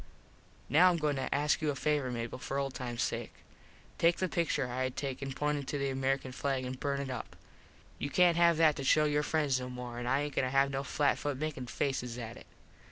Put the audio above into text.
Now Im going to ask you a favor, Mable, for old times sake. Take the pictur I had taken pointin to the American flag an burn it up. You cant have that to show your friends no more an I aint goin to have no flat foot makin faces at it.